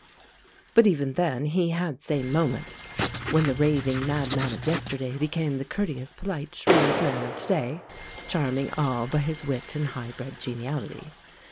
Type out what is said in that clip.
But even then he had sane moments, when the raving madman of yesterday became the courteous, polite, shrewd man of to day, charming all by his wit and high bred geniality.